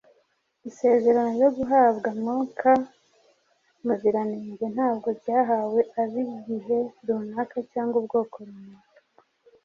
Isezerano ryo guhabwa Mwuka Muziranenge ntabwo ryahawe ab’igihe runaka cyangwa ubwoko runaka.